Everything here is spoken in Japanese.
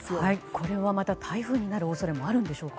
これはまた台風になる恐れもあるんでしょうか。